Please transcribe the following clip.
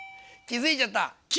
気付いちゃった！